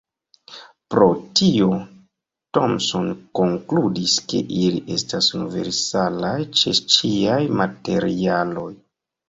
Pro tio, Thomson konkludis, ke ili estas universalaj ĉe ĉiaj materialoj.